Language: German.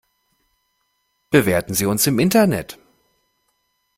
Bewerten Sie uns im Internet!